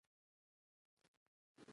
غاړه بنده وزرونه زولانه سوه